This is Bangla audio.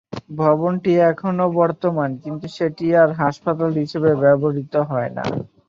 ভবনটি এখনও বর্তমান, কিন্তু সেটি আর হাসপাতাল হিসেবে ব্যবহৃত হয়না।